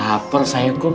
ya ampun ya temen temen